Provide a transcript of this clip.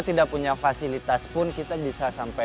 tidak punya fasilitas pun kita bisa sampai